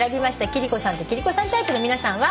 貴理子さんと貴理子さんタイプの皆さんは。